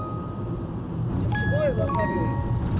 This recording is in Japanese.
すごいわかる。